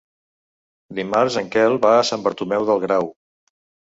Dimarts en Quel va a Sant Bartomeu del Grau.